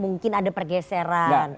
mungkin ada pergeseran